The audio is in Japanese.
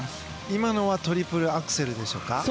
今のはトリプルアクセルでしょうか？